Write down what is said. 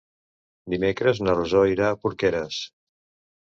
Dimecres na Rosó irà a Porqueres.